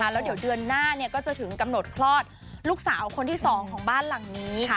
แล้วเดี๋ยวเดือนหน้าก็จะถึงกำหนดคลอดลูกสาวคนที่๒ของบ้านหลังนี้